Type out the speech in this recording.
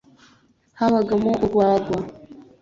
habagamo urwagwa